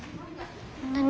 何？